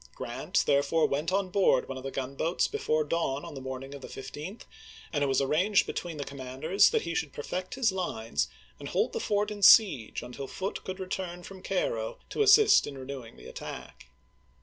Grant therefore went on board one of the gunboats before dawn on the Feb.. 1862. morning of the 15th, and it was arranged between the commanders that he should perfect his lines and hold the fort in siege until Foote could return from Cairo to assist in renewing the attack.